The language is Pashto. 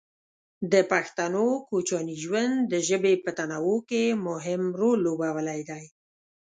د پښتنو کوچیاني ژوند د ژبې په تنوع کې مهم رول لوبولی دی.